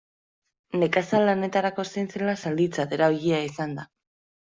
Nekazal lanetarako zein zela zalditzat erabilia izan da.